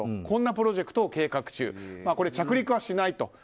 こんなプロジェクトを計画中、でも着陸はしないと。